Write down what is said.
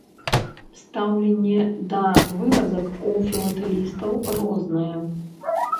Стаўленне да выразак у філатэлістаў рознае.